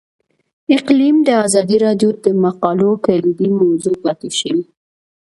اقلیم د ازادي راډیو د مقالو کلیدي موضوع پاتې شوی.